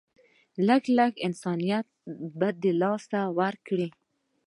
لږ لږ انسانيت به د لاسه ورکړي